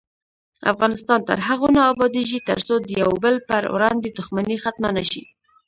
افغانستان تر هغو نه ابادیږي، ترڅو د یو بل پر وړاندې دښمني ختمه نشي.